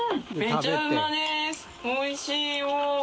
おいしい。